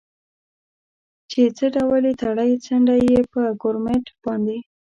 چې څه ډول یې تړلی، څنډه یې په ګورمېټ باندې.